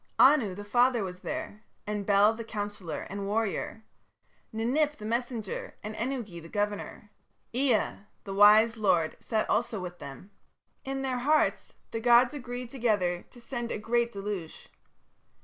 Anu, the father, was there, and Bel the counsellor and warrior, Ninip the messenger, and Ennugi the governor. Ea, the wise lord, sat also with them. In their hearts the gods agreed together to send a great deluge.